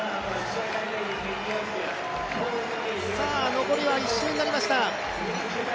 残り１周になりました。